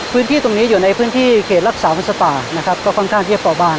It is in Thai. พื้นที่ตรงนี้อยู่ในพื้นที่เขตรักษาวันสตานะครับก็ค่อนข้างเทียบก่อบ้าน